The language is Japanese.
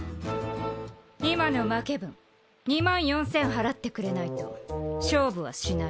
今の負け分２万４０００払ってくれないと勝負はしない。